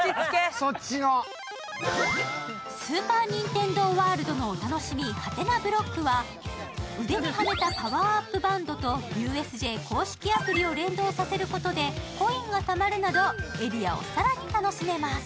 スーパー・ニンテンドー・ワールドのお楽しみ、ハテナブロックは腕にはめたパワーアップバンドとＵＳＪ公式アプリを連動させることでコインが貯まるなど、エリアを更に楽しめます。